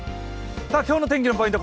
今日の天気のポイント